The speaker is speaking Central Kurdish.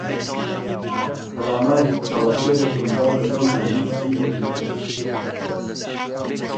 پەلاماری کەڵەشێرێکم دا و لەگەڵ نامی چووینە دکتۆر